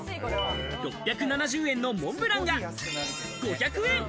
６７０円のモンブランが５００円。